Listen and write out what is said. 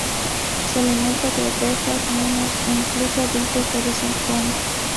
Se alimenta de ovejas, niños e incluso adultos de vez en cuando.